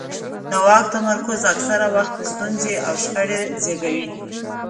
د واک تمرکز اکثره وخت ستونزې او شخړې زیږوي